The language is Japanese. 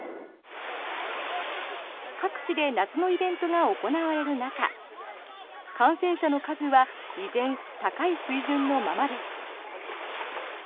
各地で夏のイベントが行われる中感染者の数は依然、高い水準のままです。